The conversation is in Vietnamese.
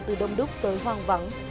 từ đông đúc tới hoang vắng